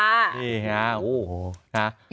นี่กันโอ้โห